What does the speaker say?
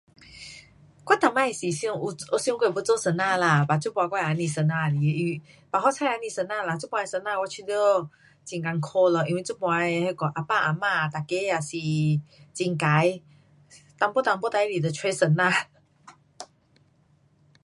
我以前是想，有，有想过要做老师啦，这次我也不老师来的，but 好彩也不老师啦，这次的老师我觉得很困苦，因为这次的啊爸啊妈每个也是很坏，一点一点事情也要找老师。